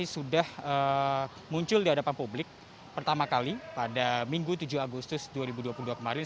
sudah muncul di hadapan publik pertama kali pada minggu tujuh agustus dua ribu dua puluh dua kemarin